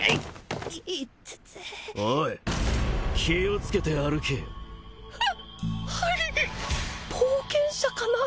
イテテおい気をつけて歩けよははい冒険者かな？